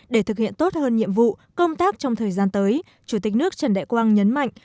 để thực hiện tốt hơn nhiệm vụ công tác trong thời gian tới chủ tịch nước trần đại quang nhấn mạnh